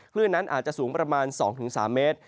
คลื่นนั้นอาจจะสูงประมาณ๒๓เมตร